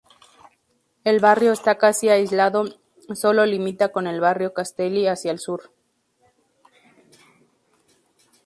El barrio está casi aislado solo limita con el barrio Castelli hacia el sur.